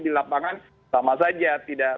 di lapangan sama saja tidak